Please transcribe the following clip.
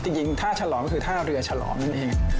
จริงท่าฉลอมก็คือท่าเรือฉลอมนั่นเอง